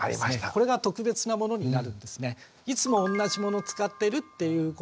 これが特別なものになるんですね。